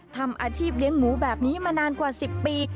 ทำอาชีพเลี้ยงหมูแบบนี้มานานกว่า๑๐ปี